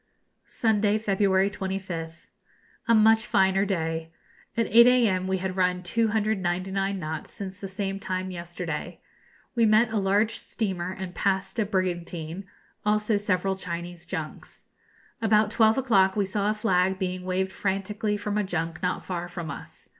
Sunday, February 25th. A much finer day. At 8 a.m. we had run 299 knots since the same time yesterday. We met a large steamer and passed a brigantine; also several Chinese junks. About twelve o'clock we saw a flag being waved frantically from a junk not far from us.